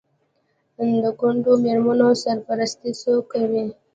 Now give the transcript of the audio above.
د کونډو میرمنو سرپرستي څوک کوي؟